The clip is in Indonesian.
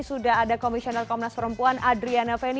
sudah ada komisioner komnas perempuan adriana feni